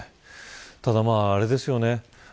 ただ、あれですよね